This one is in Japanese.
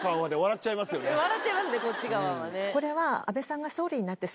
笑っちゃいますねこっち側はね。